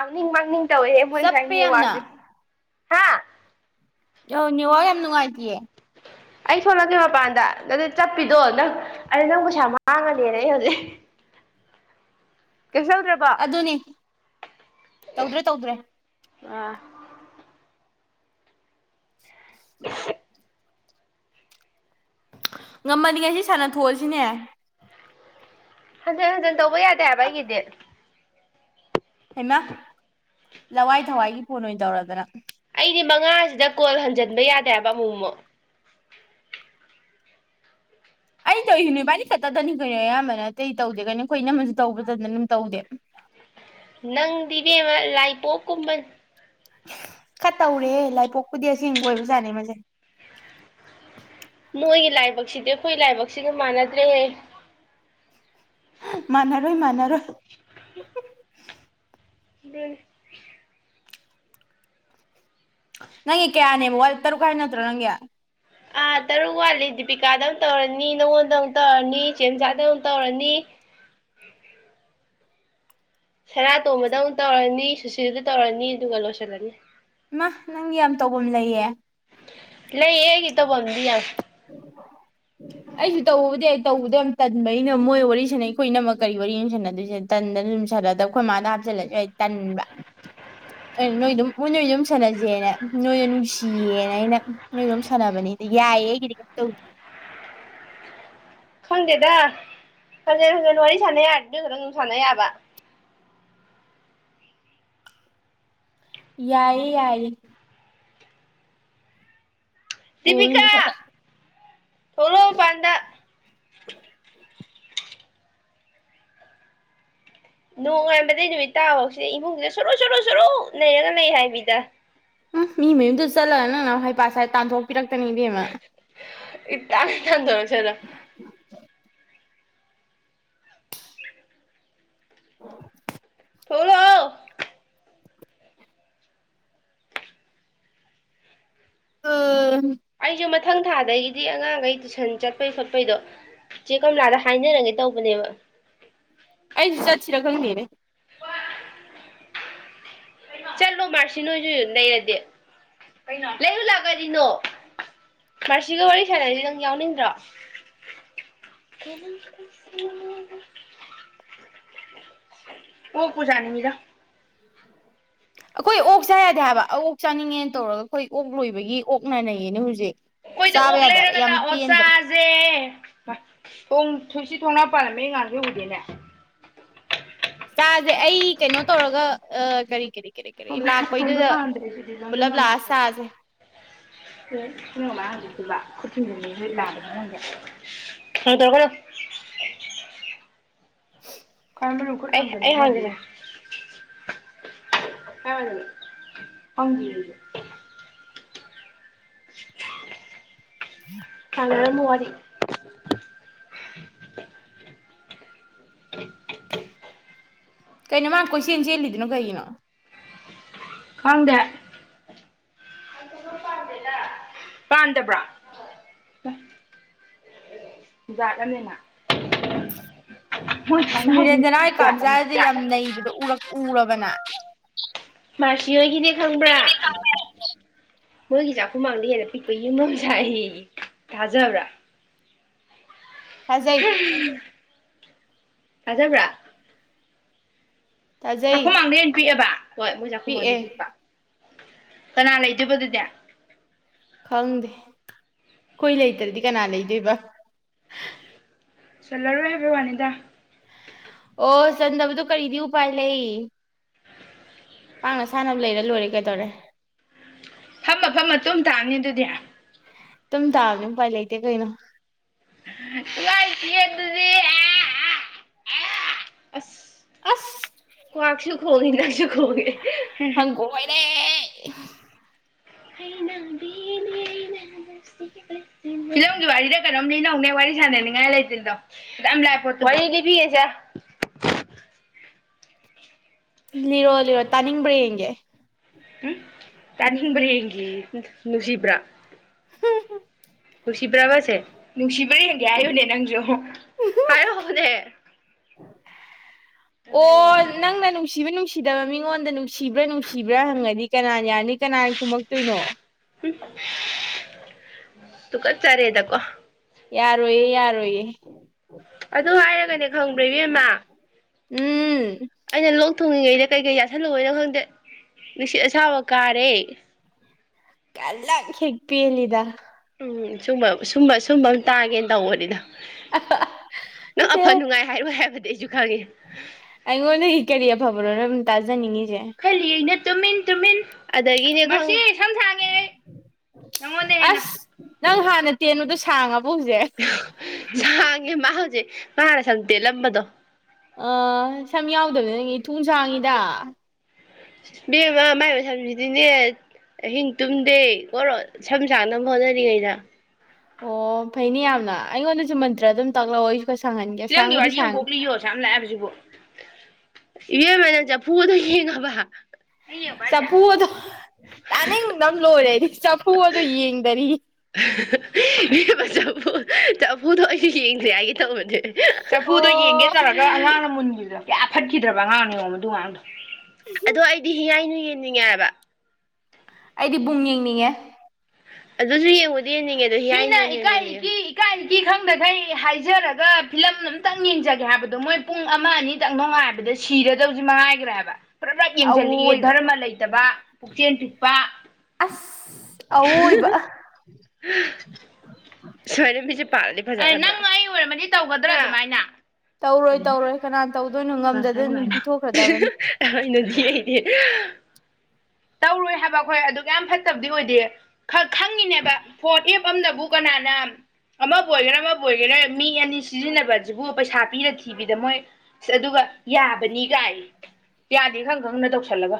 ꯥꯡꯅꯤꯡ ꯃꯥꯡꯅꯤꯡ ꯇꯧꯋꯦ ꯆꯞꯄꯦ ꯃꯣꯏꯁꯥꯏꯅꯦ ꯌꯥꯝꯅ ꯋꯥꯁꯦ ꯑ ꯋꯥ ꯌꯥꯝ ꯅꯨꯡꯉꯥꯏꯇꯌꯦ ꯑꯩ ꯊꯣꯛꯣꯂꯛꯀꯦ ꯃꯄꯥꯟꯗ ꯅꯗ ꯆꯠꯄꯤꯗꯣ ꯅꯪ ꯑꯗ ꯅꯪ ꯄꯩꯁꯥ ꯃꯥꯡꯉꯅꯦꯅ ꯑꯩ ꯍꯧꯖꯤꯛ ꯀꯩꯁꯧꯗ꯭ꯔꯕ ꯑꯗꯨꯅꯤ ꯇꯧꯗ꯭ꯔꯦ ꯇꯧꯗ꯭ꯔꯦ ꯑ ꯑꯣ ꯉꯝꯃꯗꯤ ꯉꯁꯤ ꯁꯥꯟꯅ ꯊꯣꯛꯣꯛꯑꯁꯤꯅꯦ ꯑꯗꯨ ꯇꯧꯕ ꯌꯥꯗꯦ ꯍꯥꯏꯕ ꯑꯩꯒꯤꯗꯤ ꯍꯦꯃꯥ ꯂꯋꯥꯏ ꯊꯋꯥꯏꯒꯤ ꯄꯣꯟ ꯑꯣꯏꯅ ꯇꯧꯔꯗꯅ ꯃꯤꯅꯤꯠ ꯃꯉꯥꯁꯤꯗ ꯀꯣꯜ ꯍꯟꯖꯤꯟꯕ ꯌꯥꯗꯦꯕ ꯑꯃꯨꯛꯃꯨꯛ ꯑꯩ ꯇꯧꯁꯤ ꯅꯣꯏ ꯏꯕꯥꯅꯤ ꯈꯛꯇꯗꯅꯤ ꯀꯩꯅꯣ ꯑꯌꯥꯝꯕ ꯅꯠꯇꯦ ꯇꯧꯗꯦ ꯀꯩꯅ ꯑꯩꯈꯣꯏ ꯏꯅꯝꯃꯟꯁꯨ ꯇꯧꯕꯗꯅ ꯑꯗꯨꯝ ꯇꯧꯗꯦ ꯅꯪꯗꯤꯕꯦꯝꯃ ꯂꯥꯏꯄꯣꯛꯀꯨꯝꯕꯟ ꯈ ꯇꯧꯔꯦ ꯂꯥꯏꯄꯣꯛꯄꯨꯗꯤ ꯑꯦꯡꯕꯣꯏꯕꯖꯥꯠꯅꯤ ꯃꯁꯦ ꯅꯣꯏꯒꯤ ꯂꯥꯏꯕꯛꯁꯤꯗꯤ ꯑꯩꯈꯣꯏ ꯂꯥꯏꯕꯛꯁꯤꯒ ꯃꯥꯟꯅꯗ꯭ꯔꯦꯍꯦ ꯃꯅꯔꯣꯏ ꯃꯅꯔꯣꯏ ꯑꯗꯨꯦꯟ ꯅꯪꯒꯤ ꯀꯌꯥꯅꯦꯕ ꯇꯔꯨꯛ ꯀꯥꯏ ꯅꯠꯇ꯭ꯔꯣ ꯅꯪꯒꯤ ꯑꯥ ꯇꯔꯨꯛ ꯋꯥꯠꯂꯤ ꯗꯤꯄꯤꯀꯥꯗ ꯑꯃꯨꯛ ꯇꯧꯔꯅꯤ ꯅꯪꯉꯣꯟꯗ ꯑꯃꯨꯛ ꯇꯧꯔꯅꯤ ꯆꯦꯟꯖꯥꯗ ꯑꯃꯨꯛ ꯇꯧꯔꯅꯤ ꯁꯦꯔꯥ ꯇꯣꯝꯕꯗ ꯑꯃꯨꯛ ꯇꯧꯔꯅꯤ ꯁꯤ ꯁꯤꯗꯗ ꯇꯧꯔꯅꯤ ꯑꯗꯨꯒ ꯂꯣꯏꯁꯤꯜꯂꯅꯤ ꯏ ꯅꯪꯒꯤ ꯌꯥꯝ ꯇꯐꯝ ꯂꯩꯌꯦ ꯂꯩ ꯑꯦꯒꯤꯇ ꯄꯗꯤ ꯑ ꯑꯩꯁꯨ ꯇꯧꯕꯕꯨꯗꯤ ꯑꯩ ꯇꯧꯕꯗ ꯌꯥꯝ ꯇꯟꯕꯅꯤꯅ ꯃꯣꯏ ꯋꯥꯔꯤ ꯁꯥꯟꯅꯩ ꯑꯩꯈꯣꯏꯅꯃꯛ ꯀꯔꯤ ꯋꯥꯔꯤ ꯌꯦ ꯁꯥꯟꯅꯗꯣꯏꯁꯤꯅ ꯇꯟꯗꯅ ꯑꯗꯨꯝ ꯁꯥꯟꯅꯗꯕ ꯑꯩꯈꯣꯏ ꯃꯥꯥꯗ ꯍꯥꯞꯆꯜꯂꯁꯨ ꯑꯩ ꯇꯟꯕ ꯑꯗꯨ ꯅꯣꯏ ꯑꯗꯨꯝ ꯃꯣꯏ ꯅꯣꯏꯁꯨ ꯑꯗꯨꯝ ꯁꯥꯟꯅꯁꯦꯅ ꯅꯣꯏꯗ ꯅꯨꯡꯁꯤꯌꯦꯅ ꯑꯩꯅ ꯅꯣꯏꯗ ꯑꯗꯨꯝ ꯁꯥꯟꯅꯕꯅꯤꯗ ꯌꯥꯏꯌꯦ ꯑꯩꯒꯤꯗꯤ ꯊ ꯈꯪꯗꯦꯗ ꯐꯖꯤꯦꯟ ꯈꯖ ꯋꯥꯔꯤꯔꯤ ꯁꯥꯟꯅ ꯗꯖꯔꯥꯡ ꯁꯥꯟꯅꯕ ꯌꯥꯏꯌꯦ ꯌꯥꯏ ꯀꯣꯜꯗꯨ ꯗꯤꯄꯀꯥ ꯁꯠ ꯁꯠ ꯊꯂ ꯄꯥꯟꯗ ꯅꯣꯡꯉꯥꯟꯕꯗꯩ ꯅꯨꯃꯤꯠ ꯇꯥ ꯍꯧꯁꯤ ꯏꯃꯨꯡꯁꯤꯗ ꯁꯣꯔꯨ ꯁꯣꯔꯨ ꯁꯣꯔꯨ ꯂꯩꯔꯒ ꯂꯩ ꯍꯥꯏꯕꯤꯗ ꯎꯝ ꯃꯤ ꯃꯌꯨꯝꯗꯨ ꯆꯠꯂꯒ ꯅꯪ ꯅ ꯍꯩ ꯄꯁꯥꯏ ꯇꯥꯟꯊꯣꯛ ꯏ ꯇꯅꯤ ꯇꯥꯟꯗꯔꯁꯗ ꯊꯣꯂꯣ ꯎꯝ ꯑꯩꯖ‌ꯦ ꯃꯛ ꯃꯊꯪ ꯊꯥꯗꯒꯤꯗꯤ ꯑꯉꯥꯡꯈꯩ ꯇꯨꯏꯁꯟ ꯆꯠꯄꯩ ꯈꯣꯠꯄꯩꯗꯣ ꯆꯦ ꯀꯝꯂꯥꯗ ꯍꯥꯏꯅꯔꯒꯦ ꯇꯧꯕꯅꯦꯕ ꯑꯩꯁꯨ ꯆꯠꯁꯤꯤꯔꯒꯪꯅꯤꯔꯦ ꯆꯠꯂꯣ ꯃꯥꯔꯁꯤ ꯅꯣꯏꯁꯨ ꯂꯩꯔꯗꯤꯦ ꯂꯩ ꯎꯜꯂꯥꯛꯒꯗꯤꯅꯣ ꯃꯥꯁꯤꯒ ꯋꯥꯔꯤ ꯁꯥꯟꯅꯔꯗꯤ ꯅꯪ ꯌꯥꯎꯅꯤꯡꯗ꯭ꯔꯣ ꯑꯣ ꯄꯨꯖꯥꯅꯤꯡꯉꯗ ꯑꯩꯈꯣꯏ ꯑꯣꯛ ꯆꯥ ꯌꯥꯗꯦ ꯍꯥꯏꯕ ꯑꯣꯛ ꯆꯥꯅꯤꯡꯉꯦꯅ ꯇꯧꯔꯒ ꯑꯩꯈꯣꯏ ꯑꯣꯛ ꯂꯣꯏꯕꯒꯤ ꯑꯣꯛꯅꯅꯩꯌꯦꯅꯦ ꯍꯧꯖꯤꯛ ꯑꯩꯈꯣꯏꯗ ꯆꯥꯕ ꯑꯣꯛ ꯌꯥꯗꯦ ꯍꯥꯏꯕ ꯂꯩꯔꯒ ꯌꯥꯝ ꯂꯥꯛꯑꯣ ꯄꯦꯟꯗ꯭ꯔꯦ ꯆꯥꯁꯦ ꯊꯣꯡ ꯊꯨꯁꯤ ꯊꯣꯡꯅꯥ ꯄꯥꯜꯂꯝꯃꯦ ꯑꯩ ꯉꯥꯡꯁꯨ ꯎꯗꯦꯅꯦ ꯆꯥꯁꯦ ꯑꯩ ꯀꯩꯅꯣ ꯇꯧꯔꯒ ꯀꯔꯤ ꯀꯔꯤ ꯀꯔꯤ ꯀꯔꯤ ꯑꯁꯣꯝꯗ ꯑꯁꯣꯝꯗ ꯂꯥꯛꯄꯩꯗꯨꯗ ꯄꯥꯟꯗ꯭ꯔꯦ ꯁꯤꯗꯤ ꯄꯨꯂꯞ ꯂꯥꯛꯑ ꯁꯥꯁꯦ ꯎꯝ ꯀꯅꯣ ꯍꯥꯏꯕꯤꯂ ꯂ ꯍ ꯇꯔ ꯍ [inaudible] ꯍꯅꯤ ꯍꯪ ꯑꯩ ꯂꯩꯔ ꯃꯋꯥꯔꯤ ꯀꯩꯅꯣ ꯃꯥ ꯀꯣꯏꯁꯦꯜ ꯆꯦꯜꯂꯤꯗꯅꯣ ꯀꯩꯒꯤꯅꯣ ꯀꯥꯡꯗꯦ ꯄꯥꯟꯗꯕ꯭ꯔꯥ ꯖꯥꯠ ꯑꯃꯅꯤꯅ ꯅꯤꯔꯦꯟꯖꯅꯥ ꯍꯥꯏ ꯀꯥꯝꯖꯥꯗꯦ ꯌꯥꯝ ꯅꯩꯗꯤ ꯎꯔꯛ ꯎꯔꯕꯅ ꯃꯥꯔꯁꯤꯌꯣꯒꯤꯅꯦ ꯈꯪꯕ꯭ꯔꯥ ꯃꯣꯏꯒꯤ ꯆꯥꯛꯈꯨꯃꯥꯡꯗ ꯍꯦꯟꯅ ꯄꯤꯛꯄ ꯌꯦꯃꯣꯁꯦ ꯑꯩ ꯊꯥꯖꯕ꯭ꯔꯥ ꯊꯥꯖꯩ [inaudible] [unintelligible] ꯊꯥꯖꯩ ꯆꯥꯛꯈꯨꯝꯃꯥꯡꯗ ꯍꯩꯅ ꯄꯤꯛꯑꯦꯕ ꯍꯣꯏ ꯃꯣꯏ ꯄꯤꯛꯑꯦ ꯆꯥꯛꯈꯨꯝꯃꯥꯡꯗꯩ ꯄꯤꯛꯄ ꯀꯅꯥ ꯑꯂ ꯏꯗꯤ ꯄꯗꯨꯗ ꯈꯪꯗꯦ ꯀꯨꯏ ꯂꯩꯇ꯭ꯔꯗꯤ ꯀꯅꯥ ꯂꯩꯗꯣꯏꯕ ꯆꯜꯂꯔꯣꯏ ꯍꯥꯏꯕ ꯋꯥꯅꯤꯗ ꯑꯣ ꯆꯟꯗꯕꯗꯣ ꯀꯔꯤꯗꯤ ꯎꯄꯥꯏ ꯂꯩ ꯄꯥꯡꯅ ꯁꯥꯟꯅꯕ ꯂꯩꯔ ꯂꯣꯏꯔꯦ ꯀꯩꯗꯧꯔꯦ ꯐꯝ ꯃꯐꯝ ꯑꯗꯨꯝ ꯇꯥꯅꯤ ꯑꯗꯨꯗꯤ ꯇꯝ ꯊꯥꯕꯅꯤ ꯄꯥꯏ ꯂꯩꯇꯦ ꯀꯩꯅꯩꯅꯣ ꯅꯨꯡꯉꯥꯏꯁꯤ ꯑꯗꯨꯗꯤ ꯑꯁ ꯑꯁ ꯀ ꯍꯣꯏꯅ ꯍꯪꯒꯣꯏꯔꯦ ꯑꯦ ꯑꯩꯅꯅꯦꯅ ꯀꯗꯣꯡꯒꯤ ꯋꯥꯔꯤꯗ ꯀꯩꯅꯣꯝ ꯂꯤꯅꯧꯅꯦ ꯋꯥꯔꯤ ꯁꯥꯟꯅꯅꯤꯡꯉꯥꯏ ꯂꯩꯇ꯭ꯔꯤꯗꯣ ꯂꯥꯛ ꯄꯣꯠꯇꯣ ꯋꯥꯔꯤꯗꯤ ꯄꯤꯒꯦꯁꯦ ꯂꯤꯔꯣ ꯂꯤꯔꯣ ꯇꯥꯅꯤꯡꯕ꯭ꯔꯥ ꯌꯦꯡꯒꯦ ꯎꯝ ꯇꯥꯅꯤꯡꯕ꯭ꯔꯥ ꯌꯦꯡꯈꯤ ꯅꯨꯡꯁꯤꯕ꯭ꯔꯥ ꯅꯨꯡꯁꯤꯕ꯭ꯔꯕꯁꯦ ꯅꯨꯡꯁꯤꯕ꯭ꯔꯥ ꯍꯡꯒꯦ ꯍꯥꯏꯌꯨꯅꯦ ꯅꯪꯁꯨ ꯍꯥꯏꯔ ꯍꯣꯅꯦ ꯍꯥꯏꯔꯛꯑꯣ ꯑꯣ ꯅꯪ ꯅꯪ ꯅꯪ ꯅꯨꯡꯁꯤꯕ ꯅꯨꯡꯁꯤꯗꯕ ꯃꯤꯉꯣꯟꯗ ꯅꯨꯡꯁꯤꯕ꯭ꯔꯥ ꯅꯨꯡꯁꯤꯕ꯭ꯔꯥ ꯍꯪꯉꯅꯤ ꯀꯅꯥꯅ ꯌꯥꯔꯅꯤ ꯀꯅꯥꯅ ꯀꯨꯝꯃꯛꯇꯣꯏꯅꯣ ꯎꯝ ꯇꯨꯀ ꯆꯔꯦ ꯍꯥꯏꯗ ꯀꯣ ꯌꯥꯔꯣꯏꯌꯦ ꯌꯥꯔꯣꯏꯌꯦ ꯑꯗꯨ ꯍꯥꯏꯔꯒꯅꯦ ꯈꯪꯕ꯭ꯔ ꯏꯕꯦꯝꯃ ꯎꯝ ꯑꯩꯅ ꯂꯣꯛ ꯊꯨꯡꯉꯤꯉꯩꯅꯦ ꯀꯩꯀꯩ ꯌꯥꯁꯜꯂꯨꯑꯣꯏꯅꯣ ꯈꯪꯗꯦ ꯅꯨꯡꯁꯤꯠ ꯑꯁꯥꯕ ꯀꯥꯔꯦ ꯀꯂ ꯍꯦꯒꯄꯤ ꯑꯦꯜꯗ ꯎꯝ ꯁꯨꯝꯕ ꯁꯨꯝꯕ ꯁꯨꯝꯕ ꯑꯃ ꯇꯥꯒꯦꯅ ꯇꯧꯕꯅꯤꯗ ꯅꯪ ꯑꯐ ꯅꯨꯡꯉꯥꯏ ꯍꯥꯏꯔꯣꯏ ꯍꯥꯏꯕꯗꯤ ꯑꯩꯁꯨ ꯈꯪꯉꯦ ꯑꯩꯉꯣꯟꯅ ꯍ ꯀꯔꯤ ꯐꯕꯔꯣꯅ ꯇꯥꯖꯥꯅꯤꯉ ꯈꯜꯂꯤꯅ ꯇꯨꯃꯤꯟ ꯇꯨꯃꯤꯟ ꯑꯗꯒꯤꯅꯦ ꯍꯦꯟꯅ ꯑꯁ ꯅꯪ ꯍꯥꯟ ꯅꯠꯇꯅꯗ ꯊꯥꯡꯉ ꯄꯨꯖꯦ ꯌꯥꯥꯡꯉꯦ ꯃꯥ ꯍꯧꯁꯦ ꯃꯥꯅꯦꯦ ꯁꯟꯇꯦꯂꯝꯝꯕꯗꯣ ꯑ ꯁꯃꯤ ꯌꯥꯎꯗ ꯑꯗꯨ ꯅꯪ ꯊꯨꯡꯁꯥꯡꯉꯤꯗ ꯕꯦꯝ ꯑꯃ ꯃꯥꯏꯕ ꯁꯝꯁꯤꯗꯤꯅꯦ ꯑꯍꯤꯡ ꯇꯨꯝꯗꯦ ꯀꯣ ꯁꯝ ꯁꯥꯡꯅꯕ ꯍꯣꯠꯅꯔꯤꯉꯩꯗ ꯑꯣ ꯐꯩꯅꯤ ꯌꯥꯝꯅ ꯑꯩꯉꯣꯟꯗꯁꯨ ꯃꯟꯇ꯭ꯔ ꯑꯗꯨꯝ ꯇꯥꯛꯂꯛꯑꯣ ꯈꯔ ꯁꯥꯡꯍꯟꯒꯦ ꯐꯤꯂꯝꯒꯤ ꯁꯥꯡꯕꯨꯗꯤ ꯋꯥꯔꯤ ꯑꯃ ꯁꯥꯡꯉꯦ ꯀꯣꯛꯂꯤꯌꯣ ꯁꯥꯝ ꯂꯥꯛꯕꯁꯤꯕꯨ ꯏꯦ ꯃ ꯅ ꯆ ꯄꯗꯣ ꯌꯦꯡꯉꯕ ꯅꯪ ꯌꯦꯡꯕ꯭ꯔꯣ ꯆ ꯍꯥꯏꯖꯦ ꯄꯨꯨꯗ ꯇꯥꯅꯤꯡꯗꯪ ꯂꯣꯏꯔꯦꯗꯤ ꯆꯐꯨ ꯑꯗꯣ ꯌꯦꯡꯗꯔꯤ ꯆꯐ ꯆꯐꯨꯗꯣ ꯑꯩꯁꯨ ꯌꯦꯡꯗꯦ ꯍꯥꯏꯒꯦ ꯇꯧꯕꯅꯦ ꯆꯐꯨꯗꯣ ꯌꯦꯡꯒꯦ ꯑꯣ ꯇꯥꯔꯒ ꯑꯉꯥꯡꯅ ꯃꯨꯟ ꯀꯌꯥ ꯐꯠꯈꯤꯗ꯭ꯔꯕ ꯑꯉꯥꯡꯅ ꯅꯣꯡꯃꯗꯨ ꯑꯥꯡꯗꯣ ꯑꯗꯣ ꯑꯩꯗꯤ ꯍꯤꯌꯥꯥꯏ ꯅꯨꯨ ꯌꯦꯉꯕ ꯑꯩꯗꯤ ꯕꯨꯡ ꯌꯦꯡꯅꯤꯡꯉꯦ ꯑꯗꯨꯁꯨ ꯌꯦꯡꯉꯨꯗꯤ ꯌꯦꯡꯅꯤꯡꯉꯦ ꯑꯗꯣ ꯍ ꯍꯥꯏꯅ ꯏꯀ ꯏꯀꯥꯏ ꯏꯒꯤ ꯈꯪꯗꯈꯩ ꯍꯥꯏꯖꯔꯒ ꯐꯤꯂꯝ ꯑꯃꯝꯇꯪ ꯌꯦꯡꯖꯒꯦ ꯍꯥꯏꯕꯗꯣ ꯑꯗꯣ ꯃꯣꯏ ꯄꯨꯡ ꯑꯃ ꯑꯅꯤꯇꯪ ꯅꯣꯉꯥꯏꯕꯗ ꯁꯤꯔꯗꯧꯁꯤ ꯃꯉꯥꯏꯈ꯭ꯔꯦ ꯍꯥꯏꯕ ꯄꯨꯂꯞꯂꯞ ꯌꯦꯡꯁꯤꯜꯂꯛꯑ ꯑꯋꯣꯏꯕ ꯙꯔꯃ ꯂꯩꯇꯕ ꯄꯨꯛꯆꯦꯟ ꯄꯤꯛꯄ ꯑ ꯏꯕ ꯁꯣꯏꯔꯦꯝꯕꯤꯁꯦ ꯄꯥꯂꯗꯤ ꯐꯖꯩ ꯅꯪ ꯑꯩ ꯑꯣꯏꯔꯝꯃꯗꯤ ꯇꯧꯒꯗ꯭ꯔꯥ ꯑꯗꯨꯃꯥꯏꯅ ꯇꯧꯔꯣꯏ ꯇꯧꯔꯣꯏ ꯀꯅꯥ ꯇꯧꯗꯣꯏꯅꯣ ꯐꯖꯅ ꯉꯝꯗꯗꯣꯏꯅꯣ ꯑꯗꯨꯃꯥꯏꯅ ꯄꯤꯊꯣꯛꯈ꯭ꯔꯗꯕꯅꯤ ꯌꯦ ꯇꯧꯔꯣꯏ ꯍꯥꯏꯕ ꯑꯩꯈꯣꯏ ꯑꯗꯨꯒ ꯌꯥꯝ ꯐꯠꯇꯕꯗꯤ ꯑꯣꯏꯗꯦ ꯈꯪꯉꯤꯅꯦꯕ ꯄꯣꯠ ꯃꯝꯅꯕꯨ ꯀꯅꯥꯅ ꯑꯃꯕꯨ ꯑꯣꯏꯒꯦꯔꯥ ꯑꯃꯕꯨ ꯑꯣꯏꯒꯦꯔꯥ ꯃꯤ ꯑꯅꯤ ꯁꯤꯖꯤꯟꯅꯕꯕꯁꯤꯕꯨ ꯄꯩꯁꯥ ꯄꯤꯔ ꯊꯤꯕꯤꯗ ꯃꯣꯏ ꯑꯗꯨꯒ ꯌꯥꯕꯅꯤ ꯀꯥꯏ ꯌꯥꯗꯦ ꯈꯪ ꯈꯪꯅ ꯇꯧꯁꯜꯂꯒ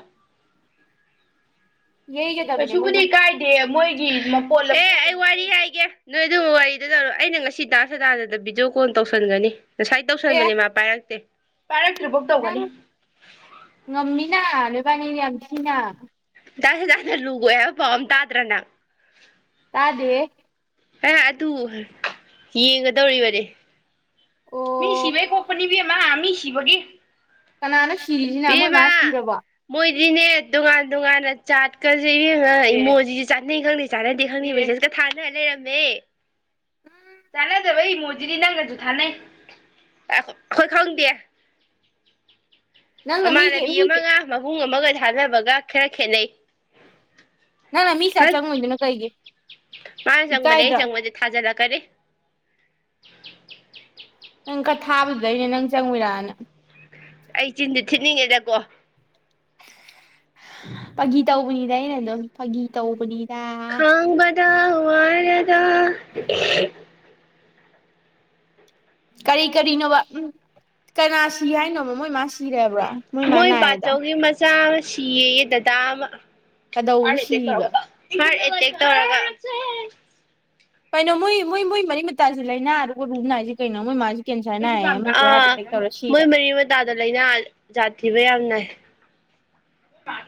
ꯌꯩꯒꯗꯕꯅꯦ ꯀꯩꯁꯨꯁꯨꯕꯨꯗꯤꯩ ꯃꯣꯏꯒꯨꯝꯕ ꯀꯥꯏꯗꯦ ꯃꯣꯏ ꯑꯦ ꯑꯩ ꯋꯥꯔꯤ ꯍꯥꯏꯒꯦ ꯅꯣꯏ ꯑꯗꯨ ꯋꯥꯔꯤꯗ ꯂꯧꯧꯔ ꯑꯩꯅ ꯉꯁꯤ ꯇꯗꯥ ꯁꯗꯥꯗꯗ ꯚꯤꯗꯤꯑꯣ ꯀꯣꯜ ꯇꯧꯁꯟꯒꯅꯤ ꯉꯁꯥꯏ ꯑꯦ ꯇꯧꯁꯟꯕꯅꯦ ꯃꯥ ꯄ ꯌꯥꯛꯇꯦ ꯅꯪ ꯉꯝꯃꯤꯅꯅ ꯄꯅꯤ ꯌꯥꯝ ꯁꯤꯅ ꯆꯥꯁꯦ ꯇꯅ ꯂꯨꯒꯦꯕ ꯄꯥꯎꯝ ꯇꯥꯗ꯭ꯔꯅ ꯇꯥꯗꯦ ꯑ ꯑꯗꯨ ꯌꯦꯡꯒꯗꯧꯔꯤꯕꯅꯦ ꯃꯤ ꯁꯤꯕꯥꯏ ꯑꯣ ꯀꯣꯈꯅꯤꯕꯤꯃ ꯁꯤꯕꯥꯒꯦ ꯀꯅꯥꯅꯣ ꯁꯤꯔꯤꯁꯤꯅ ꯃꯣꯏ ꯃꯥ ꯁꯤꯔꯕꯣ ꯏꯅꯦ ꯣꯉꯥꯟ ꯇꯣꯉꯥꯟꯅ ꯆꯥꯠꯀꯁꯦ ꯏꯉ ꯏꯃꯣꯖꯤꯁꯨ ꯆꯥꯅꯩ ꯈꯪꯗꯦ ꯆꯥꯟꯅꯗꯦ ꯈꯪꯗꯦ ꯃꯁꯠꯀ ꯊꯥꯅ ꯂꯩꯔꯝꯃꯦ ꯆꯥꯟꯅꯗꯕ ꯏꯃꯣꯖꯤꯗꯤ ꯅꯪꯒꯁꯨ ꯊꯥꯅꯩ ꯑ ꯈꯣꯏ ꯈꯥꯎꯪ ꯗꯦ ꯅꯪꯅ ꯃꯤꯒꯤ ꯃꯃꯥꯟꯅꯕꯤ ꯃꯤꯒꯤ ꯑꯃꯒ ꯃꯕꯨꯡ ꯑꯃꯒ ꯊꯅ ꯒ ꯈꯦꯔ ꯈꯦꯅꯩ ꯅꯪ ꯅ ꯃꯤꯁꯦ ꯆꯪꯉꯣꯏꯗꯣꯏꯅꯣ ꯀꯩꯒꯤ ꯏꯀꯥꯏꯗ꯭ꯔꯥ ꯀꯦ ꯅꯪ ꯀ ꯊꯥꯕꯗꯨꯗꯩꯅꯦ ꯅꯪ ꯆꯪꯉꯔꯛꯅ ꯑꯩ ꯆꯤꯟꯗꯤ ꯊ ꯃꯤꯉꯦꯗꯀꯣ ꯐꯥꯒꯤ ꯇꯧꯕꯅꯤꯗ ꯑꯩꯅ ꯑꯗꯨꯝ ꯐꯥꯒꯤ ꯇꯧꯕꯅꯤ ꯈꯥꯡꯕꯗ ꯋꯥꯔꯗ ꯀꯔꯤ ꯀꯔꯤꯅꯣꯕ ꯎꯝ ꯀꯅꯥ ꯁꯤ ꯍꯥꯏꯅꯣꯕ ꯃꯣꯏ ꯃꯥꯁꯤ ꯃꯣꯏꯣꯏ ꯄꯆꯧꯒꯤ ꯃꯆꯥꯥ ꯁꯤꯤ ꯌꯦ ꯗꯗꯥꯕ ꯀꯗꯧꯕꯗ ꯑꯔꯦꯗꯤ ꯁꯤꯔꯤꯕ ꯈꯔ ꯀ [unintelligible] ꯀꯩꯅꯣ ꯃꯣꯏ ꯃꯣꯏ ꯃꯣꯏ ꯃꯔꯤ ꯃꯇꯥꯁꯤ ꯂꯥꯏꯅꯥ ꯑꯗꯨꯒ ꯔꯨ ꯅꯥꯏꯁꯦ ꯀꯩꯅꯣ ꯃꯣꯏ ꯃꯥꯁꯤ ꯀꯦꯟꯁꯔ ꯅꯥꯏꯌꯦ ꯑꯃꯁꯨ ꯍꯥꯔꯠ ꯑꯥ ꯑꯦꯇꯦꯛ ꯇꯧꯔ ꯁꯤꯔꯦ ꯃꯣꯏ ꯃꯔꯤ ꯃꯇꯥꯗ ꯂꯥꯏꯅꯥ ꯖꯥꯠ ꯊꯤꯕ ꯌꯥꯝ ꯅꯥꯏ ꯁꯥ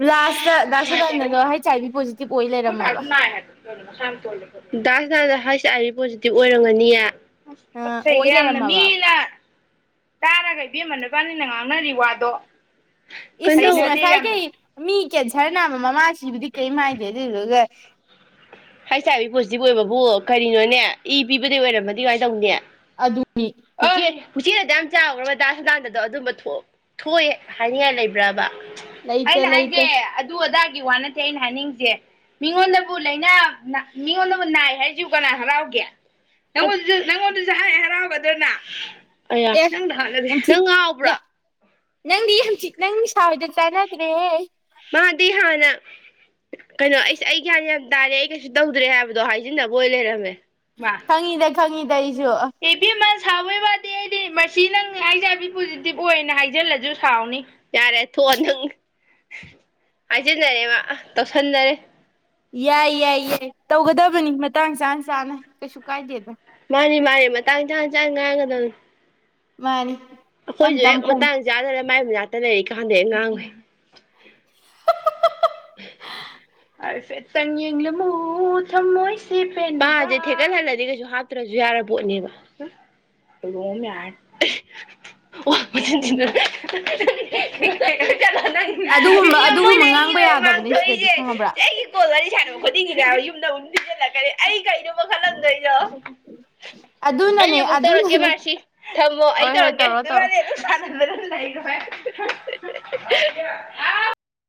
ꯂꯥꯁꯇ ꯂꯇ ꯇꯅꯗꯣ ꯍꯥꯏ ꯆꯦꯕꯤ ꯄꯣꯖꯤ ꯁꯤ ꯄꯣꯖꯤꯇꯤꯚ ꯑꯣꯏꯔꯝꯒꯅꯤꯌꯦ ꯑ ꯑ ꯄꯣꯠ ꯆꯩꯒꯦ ꯑꯣꯏ ꯌꯥꯝꯅ ꯂꯩꯔꯝꯃꯕ ꯃꯤꯅ ꯇꯥꯔꯒ ꯏꯕꯦꯝꯃꯅ ꯏꯕꯥꯅꯤꯅ ꯉꯥꯡꯅꯔꯤ ꯋꯥꯗꯣ ꯀꯩꯅꯣ ꯇꯧꯕ ꯏꯁꯤꯁꯤꯁꯤꯡꯁꯥꯏ ꯀꯩ ꯃꯤ ꯀꯦꯟꯁꯔ ꯅꯥꯕ ꯃꯃꯥꯁꯤꯕꯨꯗꯤ ꯀꯩ ꯍꯥꯏꯥꯏꯗꯦ ꯑꯗꯨꯗꯨꯒ ꯍꯥꯏꯁꯥꯏꯒꯤ ꯄꯣꯖꯤꯇꯤꯕ ꯑꯣꯏꯕꯕꯨ ꯀꯔꯤꯅꯣꯅꯦ ꯏ ꯄꯤꯕꯗꯩ ꯑꯣꯏꯔꯝꯃꯗꯤ ꯀꯃꯥꯏꯅ ꯇꯧꯅꯦ ꯑꯗꯨꯅꯤ ꯎꯆꯤꯅꯗꯤ ꯌꯥꯝ ꯆꯥꯎꯈ꯭ꯔꯕꯗꯥꯁꯨ ꯂꯥꯟꯗꯣ ꯑꯗꯨꯝꯕ ꯊꯣꯛꯑꯦ ꯍꯥꯏꯅꯤꯡꯉꯥꯏ ꯂꯩꯕ꯭ꯔꯕ ꯂꯩꯇꯦ ꯑꯩꯅ ꯂꯩꯇꯦ ꯍꯥꯏꯒꯦ ꯑꯗꯨ ꯑꯗꯥ ꯒꯤ ꯋꯥ ꯅꯠꯇꯦ ꯑꯩꯅ ꯍꯥꯏꯅꯤꯡꯁꯦ ꯃꯤꯉꯣꯟꯗꯕꯨ ꯂꯥꯏꯅꯥ ꯃꯤꯉꯣꯟꯗꯕꯨ ꯅꯥꯏ ꯍꯥꯏꯁꯤ ꯀꯅꯥ ꯍꯔꯥꯎꯒꯦ ꯅꯪꯉꯣꯟꯁꯨ ꯅꯪꯉꯣꯟꯗꯨꯁꯨ ꯍꯥꯏ ꯍꯔꯥꯎꯕꯗꯅ ꯑꯌꯥ ꯑꯦ ꯅꯪꯗ ꯍꯥꯟꯅꯗꯤ ꯌꯥꯝ ꯊꯤ ꯅꯪ ꯉꯥꯎꯕ꯭ꯔꯥ ꯅꯪꯗꯤ ꯌꯥꯝꯆꯤꯠ ꯅꯪ ꯁꯥ ꯍꯣꯏꯗ ꯆꯥꯟꯅꯗ꯭ꯔꯦꯍꯦ ꯃꯥꯗꯤ ꯍꯥꯟꯅ ꯀꯩꯅꯣ ꯑꯩꯁꯦ ꯑꯩ ꯒ꯭ꯌꯥ ꯌꯥꯝ ꯇꯥꯔꯦ ꯑꯩ ꯀꯩꯁꯨ ꯇꯧꯗ꯭ꯔꯦ ꯍꯥꯏꯕꯗꯣ ꯍꯥꯏꯖꯤꯟꯅꯕ ꯑꯣꯏꯅ ꯂꯩꯔꯝꯃꯦ ꯃꯥ ꯈꯪꯉꯤꯗ ꯈꯪꯉꯤꯗ ꯑꯩꯁꯨ ꯑ ꯑꯦ ꯏꯕꯦꯝꯃ ꯁꯥꯎꯕꯩ ꯋꯥꯗꯤ ꯑꯩꯗꯤ ꯃꯁꯤ ꯅꯪ ꯍꯥꯏꯖꯕꯤ ꯄꯣꯖꯤꯇꯤꯕ ꯑꯣꯏꯅ ꯍꯥꯏꯖꯤꯜꯂꯁꯨ ꯁꯥꯎꯅꯤ ꯌꯥꯔꯦ ꯊꯣꯛꯑ ꯅꯪ ꯍꯥꯏꯖꯟꯅꯔꯦꯕ ꯇꯧꯁꯟꯅꯔꯦ ꯌꯥꯏ ꯌꯥꯏ ꯌꯥꯏ ꯇꯧꯒꯗꯕꯅꯤ ꯃꯇꯥꯡ ꯆꯥꯅ ꯆꯥꯅ ꯀꯩꯁꯨ ꯀꯥꯏꯗꯦꯗ ꯃꯥꯅꯤ ꯃꯥꯅꯦ ꯃꯇꯥꯡ ꯆꯥꯡ ꯆꯥꯡ ꯉꯥꯡꯒꯗꯧꯅꯤ ꯃꯥꯅꯤ ꯇꯝ ꯑꯩꯈꯣꯏꯁꯨ ꯍꯦꯛ ꯇꯝ ꯐꯣꯡ ꯃꯇꯥꯡ ꯆꯥꯗꯅ ꯃꯥꯏꯕ ꯉꯥꯛꯇ ꯂꯩꯔꯤꯦ ꯀꯥꯟꯗ ꯉꯥꯡꯉꯦ ꯐꯦꯠꯇꯪ ꯑꯃꯨ ꯊꯝꯃꯣꯏ ꯁꯤꯦꯟꯁꯦ ꯊꯦꯀꯠꯍꯜꯂꯗꯤ ꯀꯩꯁꯨ ꯍꯥꯞꯇ꯭ꯔꯁꯨ ꯌꯥꯔ ꯄꯣꯠꯅꯦꯕ ꯅꯪ ꯑꯗꯨꯒꯨꯝꯕ ꯑꯗꯨꯒꯨꯝꯕ ꯃꯣꯏꯅ ꯑꯩꯒꯤ ꯉꯥꯡꯕ ꯑꯣꯏ ꯌꯥ ꯐꯕꯅꯦ ꯁꯤꯗꯗꯤ ꯈꯪꯉꯥꯕ꯭ꯔꯥ ꯈꯨꯗꯤꯡ ꯌꯨꯝꯗꯃꯨꯛ ꯊꯤꯖꯜꯂꯛꯀꯅꯤ ꯑꯩ ꯀꯩꯅꯣ ꯈꯜꯂꯝꯗꯣꯏꯅꯣ ꯑꯗꯨꯅꯅꯦ ꯑꯩ ꯑꯃꯨꯛ ꯇꯧꯔꯛꯀꯦ ꯑꯗꯨꯅꯅꯦ ꯃꯥꯁꯤ ꯊꯝꯃꯣ ꯑꯩ ꯍꯣꯏ ꯍꯣꯏ ꯇꯧꯔꯀꯦ ꯇꯧꯔꯣ ꯇꯧꯔꯣ [unintelligible]